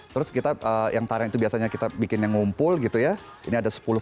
terus kita yang tareng itu biasanya kita bikin yang ngumpul gitu ya ini ada sepuluh